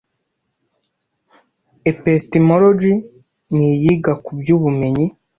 Epistemology niyiga kubyo Ubumenyi